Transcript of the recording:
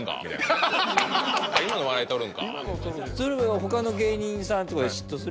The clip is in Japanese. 他の芸人さんとかに嫉妬する？